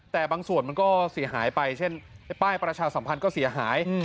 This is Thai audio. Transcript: แต่บางส่วนมันก็เสียหายไปเช่นไอ้ป้ายประชาสัมพันธ์ก็เสียหาย